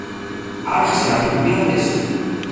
არხზე აგებულია ჰესი.